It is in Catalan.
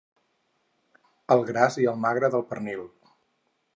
El gras i el magre del pernil.